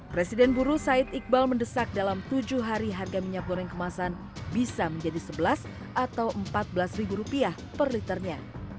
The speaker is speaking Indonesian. presiden buru said iqbal mendesak dalam tujuh hari harga minyak goreng kemasan bisa menjadi sebelas atau rp empat belas per liternya